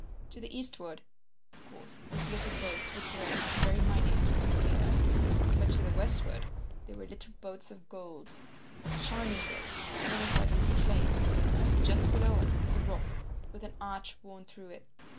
"To the eastward, of course, these little boats were gray and very minute and clear, but to the westward they were little boats of gold—shining gold—almost like little flames. And just below us was a rock with an arch worn through it.